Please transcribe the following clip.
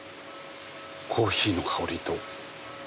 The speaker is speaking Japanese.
コーヒーの香りと。